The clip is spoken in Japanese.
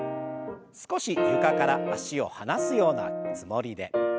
少し床から脚を離すようなつもりで。